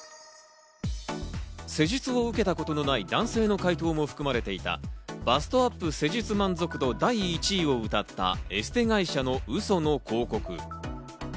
施術を受けたことのない男性の回答も含まれていた、バストアップ施術満足度第１位をうたったエステ会社のウソの広告。